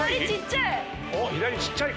左ちっちゃい。